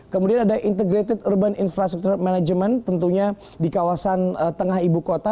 kemudian ada integrated urban infrastructure management tentunya di kawasan tengah ibu kota